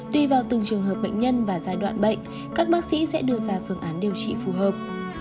tùy vào từng trường hợp bệnh nhân và giai đoạn bệnh các bác sĩ sẽ đưa ra phương án điều trị phù hợp